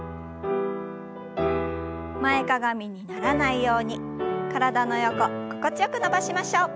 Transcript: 前かがみにならないように体の横心地よく伸ばしましょう。